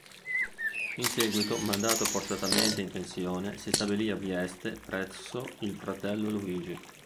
In seguito, mandato forzatamente in pensione, si stabilì a Vieste presso il fratello Luigi.